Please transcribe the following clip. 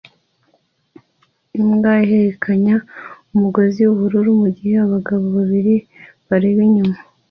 Imbwa ihekenya umugozi wubururu mugihe abagabo babiri bareba inyuma